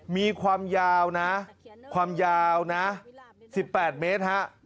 มีความยาวนะความยาวนะ๑๘เมตรฮะ